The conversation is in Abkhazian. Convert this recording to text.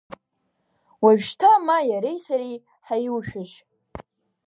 Уажәшьҭа, ма иареи сареи ҳаиушәыжь!